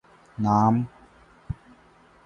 نام؟